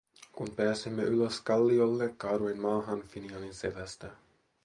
Kun pääsimme ylös kalliolle, kaaduin maahan Finianin selästä.